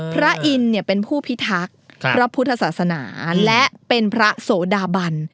พระอินทร์เป็นผู้พิทักษ์พระพุทธศาสนาและเป็นพระโสดาบัน